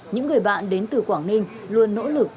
những người bạn đến từ quảng ninh luôn nỗ lực